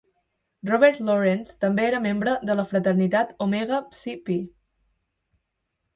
Robert Lawrence també era membre de la fraternitat Omega Psi Phi.